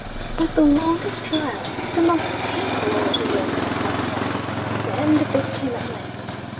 But, the longest trial the most painful ordeal has an end; and the end of this came at length.